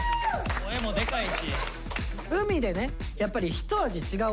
声もでかいし。